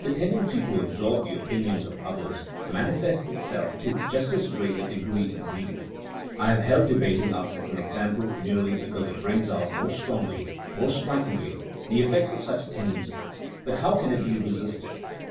The tendency to absorb the opinions of others manifests itself to just as great a degree in read ing. I have held debating up as an example merely because it brings out more strongly, more strikingly, the effects of such a tendency. But how can it be resisted